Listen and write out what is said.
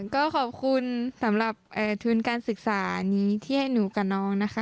ก็ขอบคุณสำหรับทุนการศึกษานี้ที่ให้หนูกับน้องนะคะ